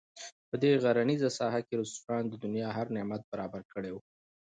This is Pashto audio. په دې غرنیزه ساحه کې رسټورانټ د دنیا هر نعمت برابر کړی وو.